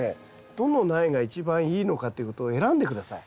どの苗が一番いいのかということを選んで下さい。